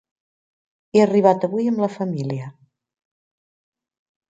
He arribat avui amb la família.